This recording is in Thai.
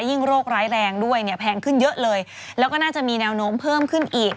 โรคร้ายแรงด้วยเนี่ยแพงขึ้นเยอะเลยแล้วก็น่าจะมีแนวโน้มเพิ่มขึ้นอีก